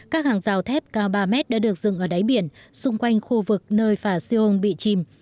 các hàng rào thép cao ba mét đã được dựng ở đáy biển xung quanh khu vực nơi phả seoul bị chìm